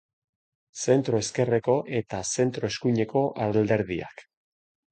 Zentro-ezkerreko eta zentro-eskuineko alderdiak.